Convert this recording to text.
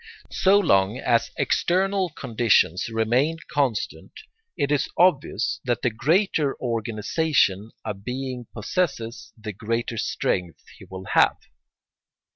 ] So long as external conditions remain constant it is obvious that the greater organisation a being possesses the greater strength he will have.